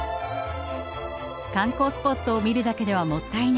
観光スポットを見るだけではもったいない。